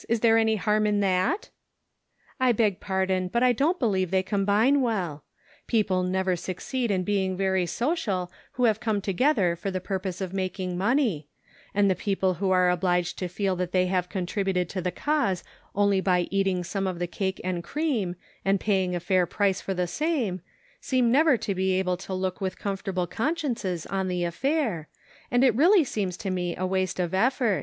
Is there any harm in that ?" "I beg pardon, but I don't believe they combine well. People never succeed in being very social who have come together for the purpose of making money ; and the people who are obliged to feel that they have con tributed to the cause only by eating some of the cake and cream, and paying a fair price for the same, seem never to be able to look with comfortable consciences on the affair, and it really seems to me a waste of effort.